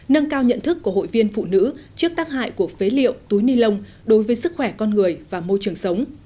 nâng cao nhận thức của hội viên phụ nữ trước tác hại của phế liệu túi ni lông đối với sức khỏe con người và môi trường sống